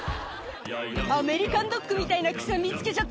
「アメリカンドッグみたいな草見つけちゃった」